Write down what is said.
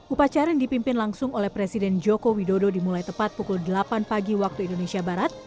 upacara yang dipimpin langsung oleh presiden joko widodo dimulai tepat pukul delapan pagi waktu indonesia barat